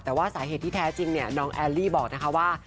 แต่ว่าสาเหตุที่แท้จริงเนี่ยน้องแอลลี่บอกนะคะว่า